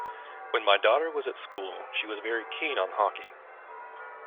When my daughter was at school she was very keen on hockey